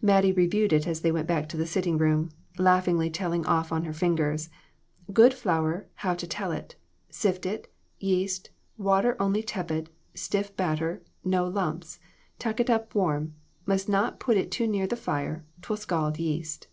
Mattie reviewed it as they went back to the sitting room, laughingly telling off on her fing ers "Good flour, how to tell it; sift it, yeast, water only tepid, stiff batter, no lumps, tuck it up warm ; must not put it too near the fire, 'twill scald yeast."